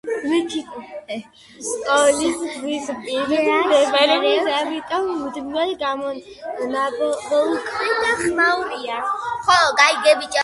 სკოლა გზის პირას მდებარეობს, ამიტომ მუდმივად გამონაბოლქვი და ხმაურია